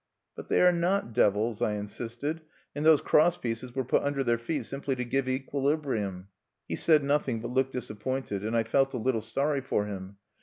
"But they are not devils," I insisted; "and those cross pieces were put under their feet simply to give equilibrium." He said nothing, but looked disappointed; and I felt a little sorry for him.